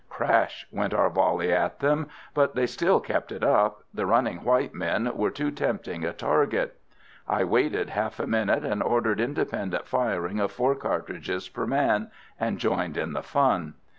Crash! went our volley at them, but they still kept it up: the running white men were too tempting a target. I waited half a minute, and ordered independent firing of four cartridges per man, and joined in the fun.